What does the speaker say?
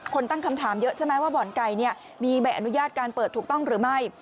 ตั้งคำถามเยอะใช่ไหมว่าบ่อนไก่มีใบอนุญาตการเปิดถูกต้องหรือไม่